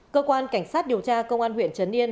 cơ quan cảnh sát điều tra công an huyện trấn yên